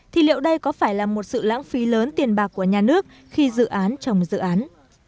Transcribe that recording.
thì liệu đây có phải là một sự lãng phí lớn tiền bạc của nhà nước khi dự án trồng dự án